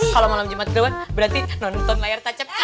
kalau malam jumat keliuan berarti nonton layar tacep